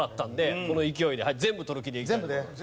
この勢いで全部取る気でいきたいと思います。